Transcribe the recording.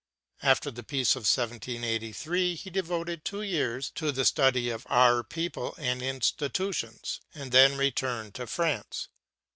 After the peace of 1783 he devoted two years to the study of our people and institutions, and then returned to France.